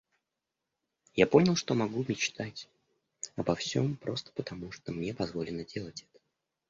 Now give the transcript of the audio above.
Я понял, что могу мечтать обо всем просто потому, что мне позволено делать это.